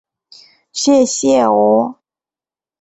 谢谢哦